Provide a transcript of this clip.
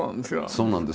そうなんです。